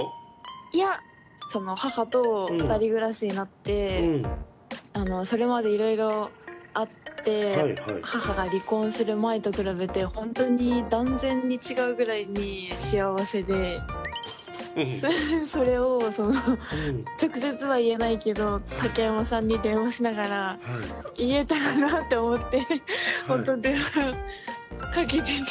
いやその母と２人暮らしになってそれまでいろいろあって母が離婚する前と比べてほんとに断然に違うぐらいに幸せでそれをその直接は言えないけど竹山さんに電話しながら言えたらなって思ってほんと電話かけてて。